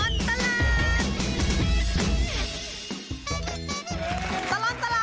ช่วงตลอดตลาด